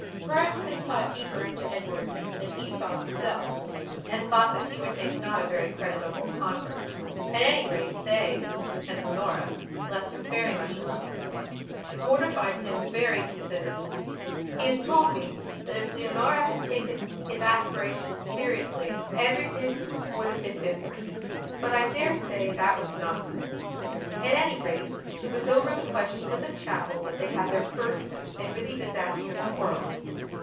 Perhaps they saw deeper into Edward than he saw himself and thought that he would make a not very creditable convert. At any rate theyand Leonoraleft him very much alone. It mortified him very considerably. He has told me that if Leonora had then taken his aspirations seriously everything would have been different. But I dare say that was nonsense. At any rate, it was over the question of the chapel that they had their first and really disastrous quarrel.